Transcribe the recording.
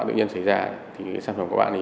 tự nhiên xảy ra thì sản phẩm của bạn ấy